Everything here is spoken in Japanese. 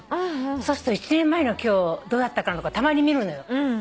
そうすると１年前の今日どうだったかな？とかたまに見るのよ。